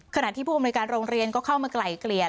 ขณะที่ผู้อำนวยการโรงเรียนก็เข้ามาไกล่เกลี่ย